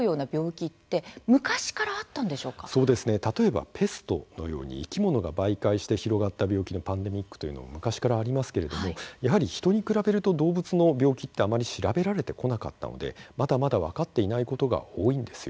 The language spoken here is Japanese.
例えばペストのように生き物が媒介して広がった病気のパンデミックというのは昔からありますけれどもやはり人に比べると動物の病気ってあまり調べられてこなかったのでまだまだ分かっていないことが多いんですよ。